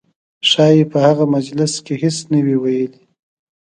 ښایي په هغه مجلس کې هېڅ نه وي ویلي.